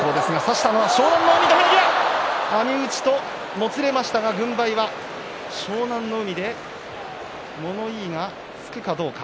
もつれましたが軍配は湘南乃海で物言いがつくかどうか。